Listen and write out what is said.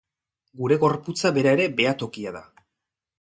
Gure gorputza bera ere behatokia da.